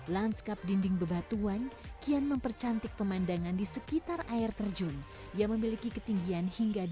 landskap dinding bebatuan kian mempercantik pemandangan di sekitar air terjun yang memiliki ketinggian hingga dua puluh lima meter